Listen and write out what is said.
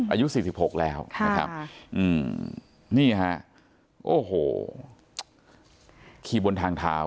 อายุ๔๖แล้วนะครับนี่ฮะโอ้โหขี่บนทางเท้า